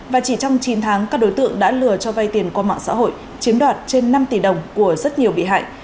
và chỉ trong chín tháng các đối tượng đã lừa cho vay tiền qua mạng xã hội chiếm đoạt trên năm tỷ đồng của rất nhiều bị hại